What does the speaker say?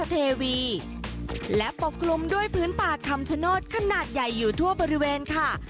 เทวีและปกคลุมด้วยพื้นป่าคำชโนธขนาดใหญ่อยู่ทั่วบริเวณค่ะ